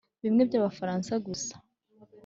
bimwe by'abafaransa gusa